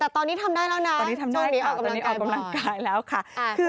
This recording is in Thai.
แต่ตอนนี้ทำได้แล้วนะต้องมีออกกำลังกายพอตอนนี้ออกกำลังกายแล้วค่ะคือ